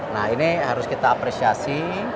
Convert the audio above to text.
nah ini harus kita apresiasi